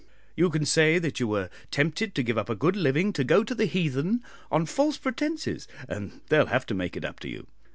You can say that you were tempted to give up a good living to go to the heathen on false pretences, and they'll have to make it up to you.